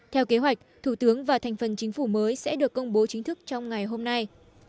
theo kế hoạch thủ tướng và thành phần chính phủ mới sẽ được công bố chính thức trong ngày hôm nay